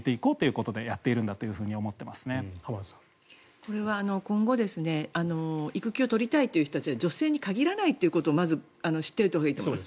これは今後育休を取りたいという人たちは女性に限らないということをまず知っておいたほうがいいと思います。